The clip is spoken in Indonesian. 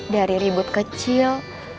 dari ribut kecil